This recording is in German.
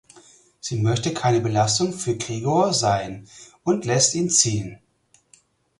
Sie möchte keine Belastung für Gregor sein und lässt ihn ziehen.